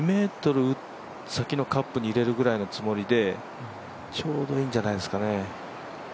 ２ｍ先のカップに入れる感じでちょうどいいんじゃないですかね。